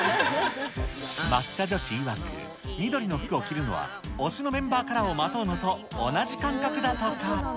抹茶女子いわく、緑の服を着るのは、推しのメンバーカラーをまとうのと同じ感覚だとか。